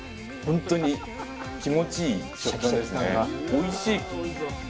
おいしい！